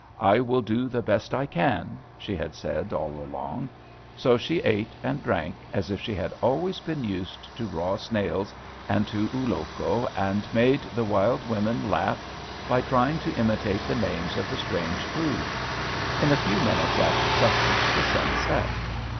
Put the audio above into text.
"I will do the best I can," she had said all along; so she ate and drank, as if she had always been used to raw snails and to ulloco, and made the wild women laugh by trying to imitate the names of the strange food. In a few minutes after supper the sun set.